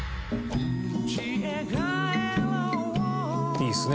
いいですね